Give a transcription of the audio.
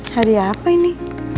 hadiah apa ini